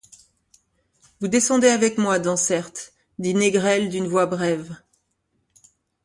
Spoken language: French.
Vous descendez avec moi, Dansaert, dit Négrel d'une voix brève.